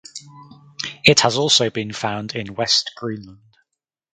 It has also been found in west Greenland.